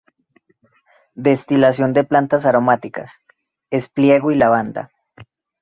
Destilación de plantas aromáticas, espliego y lavanda.